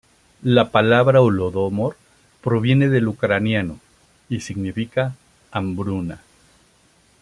La palabra Holodomor proviene del ucraniano, y significa "hambruna".